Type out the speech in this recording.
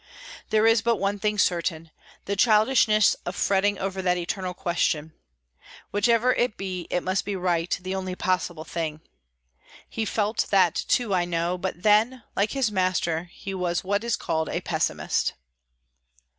There is but one thing certain—the childishness of fretting over that eternal question. Whichever it be, it must be right, the only possible thing. He felt that too, I know; but then, like his master, he was what is called a pessimist.